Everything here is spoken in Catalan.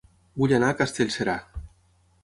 Vull anar a Castellserà